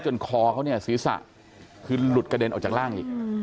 คอเขาเนี่ยศีรษะคือหลุดกระเด็นออกจากร่างอีก